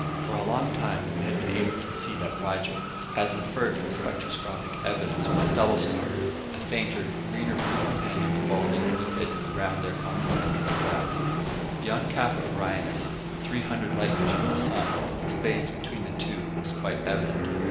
For a long time we had been able to see that Rigel, as inferred from spectroscopic evidence, was a double star a fainter, greener blue companion revolving with it around their common center of gravity. Beyond Kappa Orionis, three hundred light years from the sun, the space between the two was quite evident.